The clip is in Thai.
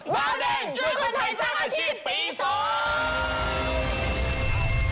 เบาแดงช่วยคนไทยสร้างอาชีพปีสอง